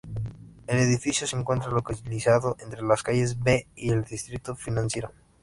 El edificio se encuentra localizado entre las Calles B y el Distrito Financiero.